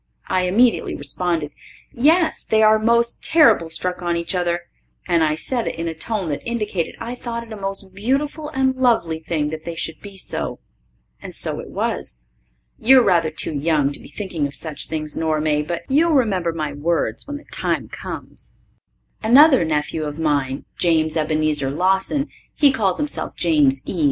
I immediately responded, "Yes, they are most terrible struck on each other," and I said it in a tone that indicated I thought it a most beautiful and lovely thing that they should be so. And so it was. You're rather too young to be thinking of such things, Nora May, but you'll remember my words when the time comes. Another nephew of mine, James Ebenezer Lawson he calls himself James E.